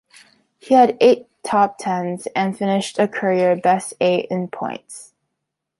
He had eight top-tens and finished a career best eight in points.